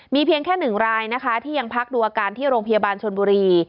เพียงแค่๑รายนะคะที่ยังพักดูอาการที่โรงพยาบาลชนบุรี